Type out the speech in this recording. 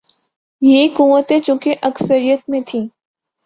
یہ قوتیں چونکہ اکثریت میں تھیں۔